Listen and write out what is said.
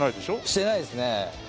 してないですね。